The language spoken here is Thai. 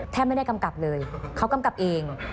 ไม่ได้กำกับเลยเขากำกับเอง